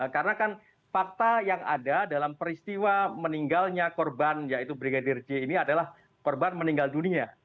karena kan fakta yang ada dalam peristiwa meninggalnya korban yaitu brigadier j ini adalah korban meninggal dunia